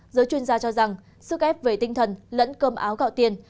giới chuyên gia cho rằng sức ép về tinh thần lẫn cơm áo gạo tiền